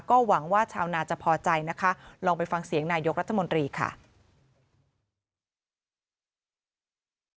ก็หวังว่าชาวนาจะพอใจนะคะลองไปฟังเสียงนายกรัฐมนตรีค่ะ